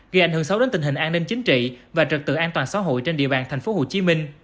gây ảnh hưởng xấu đến tình hình an ninh chính trị và trật tự an toàn xã hội trên địa bàn tp hcm